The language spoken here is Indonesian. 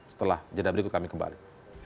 setelah jeda berikut kami kembali